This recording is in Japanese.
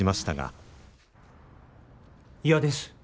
嫌です。